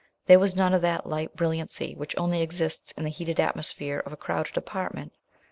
There was none of that light brilliancy which only exists in the heated atmosphere of a crowded apartment.